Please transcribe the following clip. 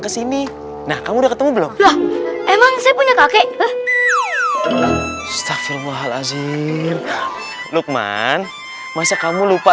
ke sini nah kamu ketemu belum emang saya punya kakek stafir mahal azim lukman masa kamu lupa